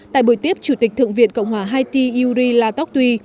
tại buổi tiếp chủ tịch thượng viện cộng hòa haiti yuri latokty